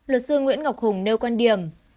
luật sư nguyễn ngọc hùng nêu quan điểm